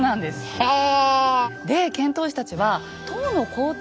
へえ。